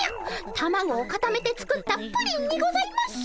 たまごをかためて作った「プリン」にございます。